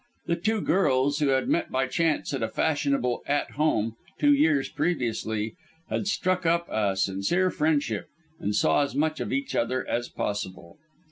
The two girls, who had met by chance at a fashionable "At Home" two years previously, had struck up a sincere friendship, and saw as much of each other as possible.